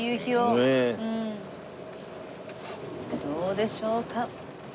どうでしょうか？